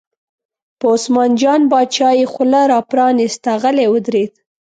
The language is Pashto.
په عثمان جان باچا یې خوله را پرانسته، غلی ودرېد.